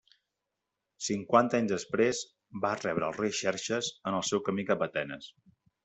Cinquanta anys després va rebre al rei Xerxes en el seu camí cap a Atenes.